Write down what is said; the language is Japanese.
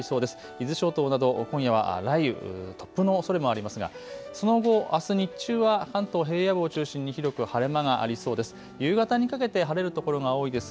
伊豆諸島など今夜は雷雨、突風のおそれもありますがその後、あす日中は関東平野部を中心に広く晴れ間がありそうです。